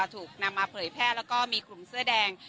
ถูกนำมาเผยแพร่แล้วก็มีกลุ่มเสื้อแดง